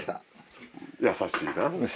優しいな。